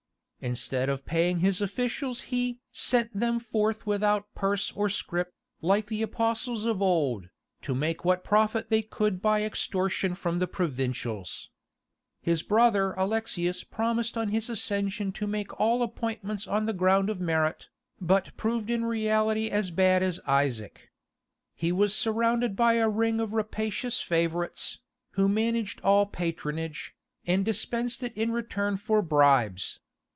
Instead of paying his officials he "sent them forth without purse or scrip, like the apostles of old, to make what profit they could by extortion from the provincials."(29) His brother Alexius promised on his accession to make all appointments on the ground of merit, but proved in reality as bad as Isaac. He was surrounded by a ring of rapacious favourites, who managed all patronage, and dispensed it in return for bribes.